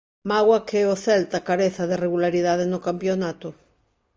Mágoa que o Celta careza de regularidade no campionato.